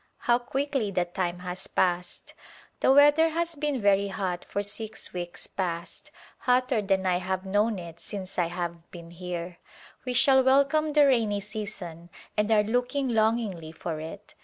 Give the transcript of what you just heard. How quickly the time has passed ! The weather has been very hot for six weeks past, hotter than I have known it since I have been here. A Glimpse of India We shall welcome the rainy season and are looking longingly for it.